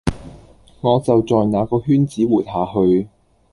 我就在那個圈子活下去